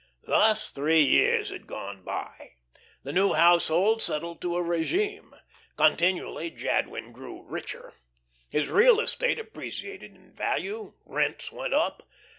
Thus three years had gone by. The new household settled to a regime. Continually Jadwin grew richer. His real estate appreciated in value; rents went up.